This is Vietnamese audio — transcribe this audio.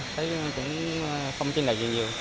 thấy cũng không chiến đấu gì nhiều